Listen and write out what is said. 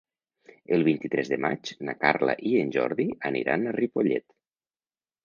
El vint-i-tres de maig na Carla i en Jordi aniran a Ripollet.